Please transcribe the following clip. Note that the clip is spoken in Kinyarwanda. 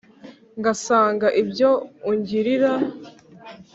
Ngasanga ibyo ungilira